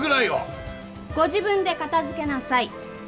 ご自分で片づけなさい。